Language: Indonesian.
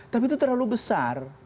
tapi itu terlalu besar